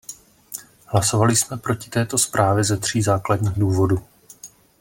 Hlasovali jsme proti této zprávě ze tří základních důvodů.